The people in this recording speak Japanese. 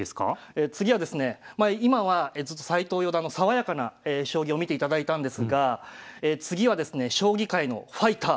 次はですねまあ今は斎藤四段の爽やかな将棋を見ていただいたんですが次はですね将棋界のファイター。